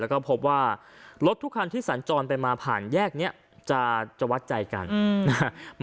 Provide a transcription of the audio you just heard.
แล้วก็พบว่ารถทุกคันที่สัญจรไปมาผ่านแยกนี้จะวัดใจกันนะครับ